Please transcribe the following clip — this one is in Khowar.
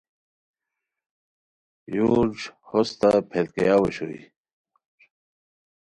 یورج ہوستہ پیلکھیاو اوشوئے